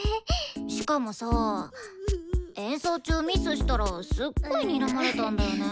しかもさ演奏中ミスしたらすっごいにらまれたんだよね。